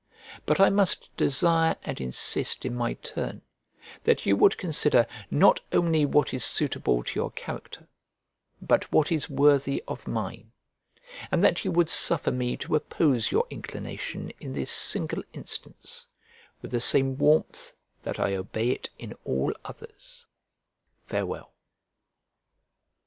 But I must desire and insist in my turn that you would consider not only what is suitable to your character, but what is worthy of mine; and that you would suffer me to oppose your inclination in this single instance, with the same warmth that I obey it in all others. Farewell.